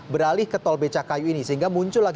beralih ke tol becakayu ini sehingga munculan